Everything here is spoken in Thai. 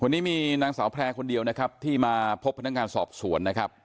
วันนี้มีนางสาวแพร่คนเดียวนะครับที่มาพบพนักงานสอบสวนนะครับ